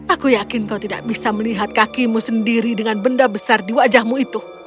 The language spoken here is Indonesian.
aku yakin kau tidak bisa melihat kakimu sendiri dengan benda besar di wajahmu itu